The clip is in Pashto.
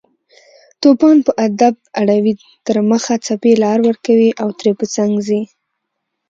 توپان په ادب اړوي تر مخه، څپې لار ورکوي او ترې په څنګ ځي